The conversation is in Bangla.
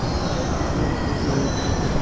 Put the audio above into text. কোনও একটা উপায়ে যদি একে ভাঙা যায়!